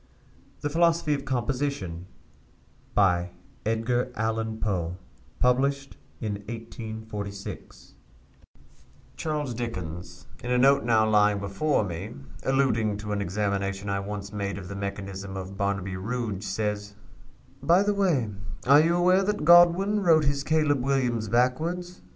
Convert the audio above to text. Poe: Philosophy of Composition THE PHILOSOPHY OF COMPOSITION (1846) CHARLES DICKENS, in a note now lying before me, alluding to an examination I once made of the mechanism of "Barnaby Rudge," says "By the way, are you aware that Godwin wrote his 'Caleb Williams' backwards?